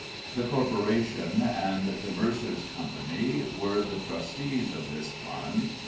The Corporation and the Mercers' Company were the trustees of this fund.